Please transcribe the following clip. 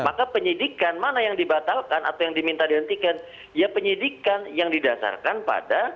maka penyidikan mana yang dibatalkan atau yang diminta dihentikan ya penyidikan yang didasarkan pada